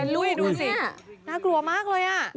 ดูสิน่ากลัวมากเลย